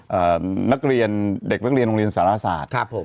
เด็กนักเรียนโรงเรียนสารศาสตร์